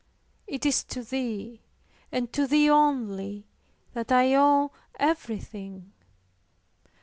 It is to Thee, and to Thee only, that I owe everything.